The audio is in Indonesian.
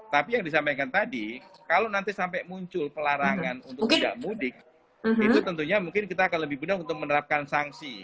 tapi yang disampaikan tadi kalau nanti sampai muncul pelarangan untuk tidak mudik itu tentunya mungkin kita akan lebih mudah untuk menerapkan sanksi